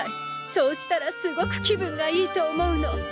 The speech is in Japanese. そうしたらすごく気分がいいと思うの。